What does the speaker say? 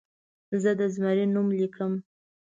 زه د زمري نوم لیکم.